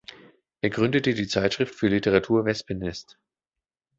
Er gründete die Zeitschrift für Literatur Wespennest.